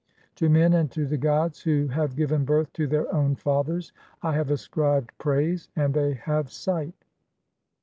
"To men [and to the gods] who have given birth to their own "fathers (3) I have ascribed praise ; and they have sight.